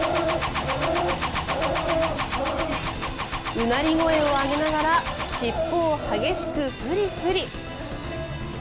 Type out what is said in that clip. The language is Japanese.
うなり声を上げながら尻尾を激しくフリフリ。